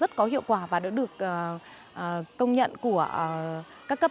à tắng đúng rồi